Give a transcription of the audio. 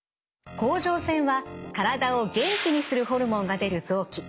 甲状腺は体を元気にするホルモンが出る臓器。